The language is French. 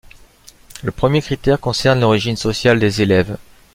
Le premier critère concerne l'origine sociale des élèves.